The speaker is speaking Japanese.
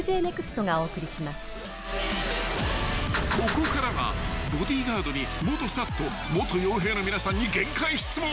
［ここからはボディーガードに元ＳＡＴ元傭兵の皆さんに限界質問］